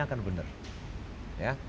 akan benar ya